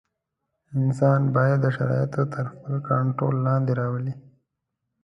انسان باید شرایط تر خپل کنټرول لاندې راولي.